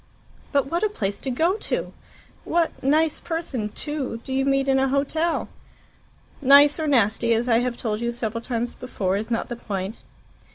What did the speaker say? "But what a place to go to! What nice person, too, do you meet in a hotel?" "Nice or nasty, as I have told you several times before, is not the point.